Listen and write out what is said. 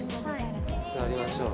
座りましょう。